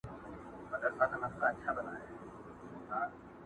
اشرف المخلوقات یم ما مېږی وژلی نه دی،